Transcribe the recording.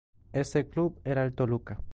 Este club era el Toluca.